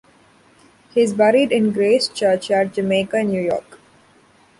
He is buried in Grace Churchyard, Jamaica, New York.